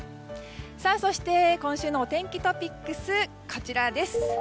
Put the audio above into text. そして、今週のお天気トピックスです。